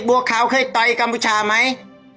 บวกเขาเคยต่อยกัมพุชาไหม